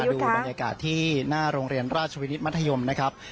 ดูบรรยากาศที่หน้าโรงเรียนราชวินิตมัธยมนะครับ